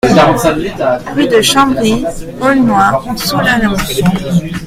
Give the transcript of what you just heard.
Rue de Chambry, Aulnois-sous-Laon